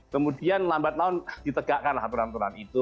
kemudian lambat laun ditegakkanlah aturan aturan itu